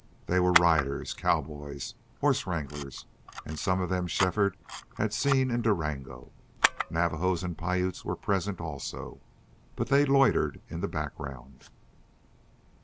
They were riders, cowboys, horse wranglers, and some of them Shefford had seen in Durango. Navajos and Piutes were present, also, but they loitered in the background.